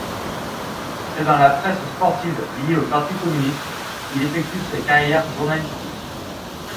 C'est dans la presse sportive liée au Parti communiste qu'il effectue sa carrière journalistique.